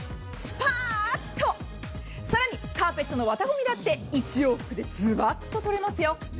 更にカーペットの綿ごみだって１往復でズバッと取れますよ。